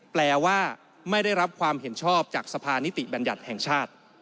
แปลว่าไม่ได้รับความเห็นชอบจากสภานิติบัญญัติแห่งชาติ